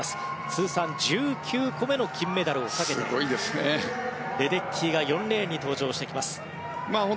通算１９個目の金メダルをかけてレデッキーが４レーンに登場してきます。